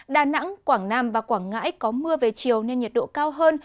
đà nẵng quảng nam và quảng ngãi có mưa về chiều nên nhiệt độ cao hơn